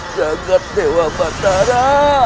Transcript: jagad dewa batara